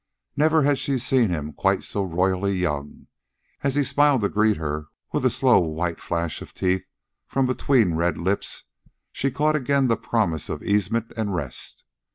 Never had she seen him quite so royally young. As he smiled to greet her, with a slow white flash of teeth from between red lips, she caught again the promise of easement and rest.